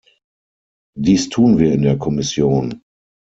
Dies tun wir in der Kommission!